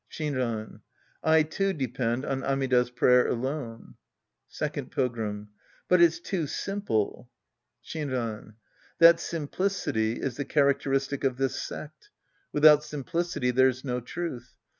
Shinran. I, too, depend on Amida's prayer alone. Second Pilgrim. But it's too simple. Shinran. That simplicity is the characteristic of this sect. Without simplicity, there's no truth.